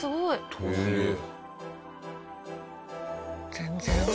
全然。